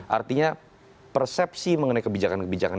artinya persepsi mengenai kebijakan kebijakan